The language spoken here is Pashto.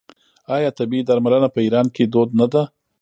آیا طبیعي درملنه په ایران کې دود نه ده؟